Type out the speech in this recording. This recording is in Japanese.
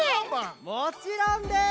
もちろんです！